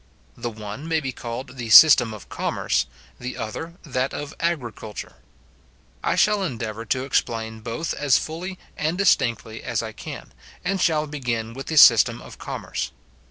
The one may be called the system of commerce, the other that of agriculture. I shall endeavour to explain both as fully and distinctly as I can, and shall begin with the system of commerce.